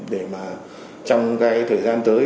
để mà trong cái thời gian tới